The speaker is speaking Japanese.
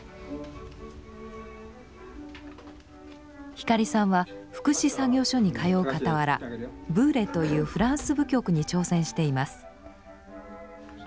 光さんは福祉作業所に通うかたわらブーレというフランス舞曲に挑戦しています。